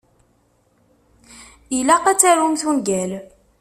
Ilaq ad tarumt ungal.